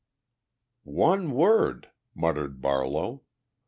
"One word!" muttered Barlow.